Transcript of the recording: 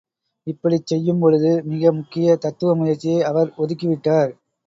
இப்படிச் செய்யும்பொழுது மிக முக்கிய தத்துவ முயற்சியை அவர் ஒதுக்கிவிட்டார்.